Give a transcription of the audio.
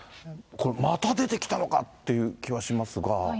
これ、また出てきたのかって気がしますが。